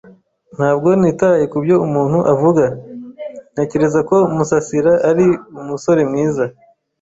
Ntabwo nitaye kubyo umuntu avuga. Ntekereza ko Musasira ari umusore mwiza.